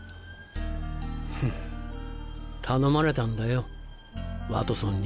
フッ頼まれたんだよワトソンに。